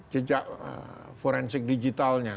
jejak forensik digitalnya